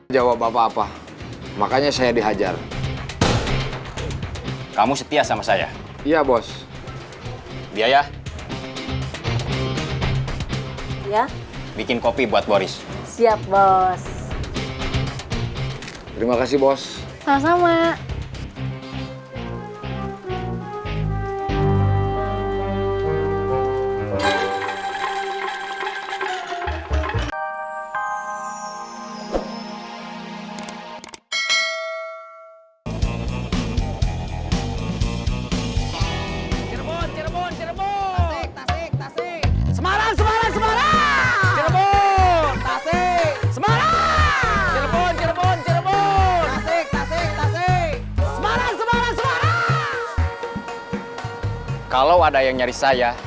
jangan lupa subscribe channel ini untuk dapat info terbaru dari kami